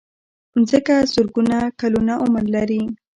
مځکه زرګونه کلونه عمر لري.